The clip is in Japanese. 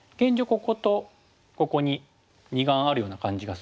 こことここに二眼あるような感じがするので。